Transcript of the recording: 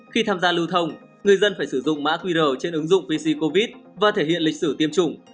khi tham gia lưu thông người dân phải sử dụng mã qr trên ứng dụng vc covid và thể hiện lịch sử tiêm chủng